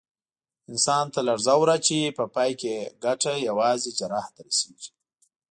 انسان ته لړزه ور اچوي، په پای کې یې ګټه یوازې جراح ته رسېږي.